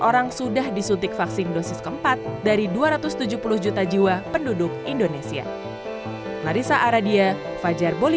dua ratus dua puluh delapan orang sudah disutik vaksin dosis ke empat dari dua ratus tujuh puluh juta jiwa penduduk indonesia